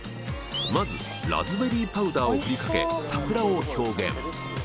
まずラズベリーパウダーを振りかけ桜を表現。